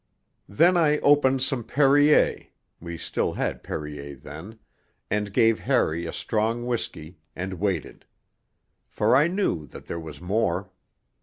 Then I opened some Perrier (we still had Perrier then), and gave Harry a strong whisky, and waited. For I knew that there was more.